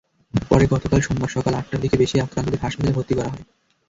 পরে গতকাল সোমবার সকাল আটটার দিকে বেশি আক্রান্তদের হাসপাতালে ভর্তি করা হয়।